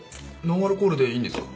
ノンアルコールでいいんですか？